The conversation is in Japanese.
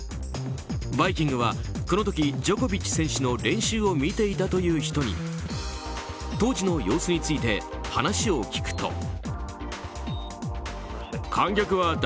「バイキング」はこの時、ジョコビッチ選手の練習を見ていたという人に当時の様子について話を聞くと。